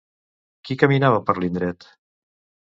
Qui caminava per l'indret?